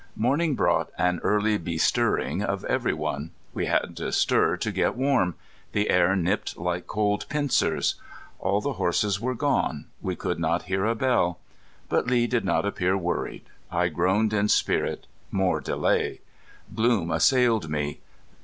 Morning brought an early bestirring of every one. We had to stir to get warm. The air nipped like cold pincers. All the horses were gone; we could not hear a bell. But Lee did not appear worried. I groaned in spirit. More delay! Gloom assailed me.